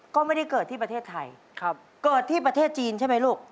ก็ไม่ได้เกิดที่ประเทศไทยเกิดที่ประเทศจีนใช่ไหมลูก